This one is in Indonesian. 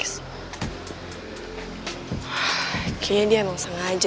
kayaknya dia emang sengaja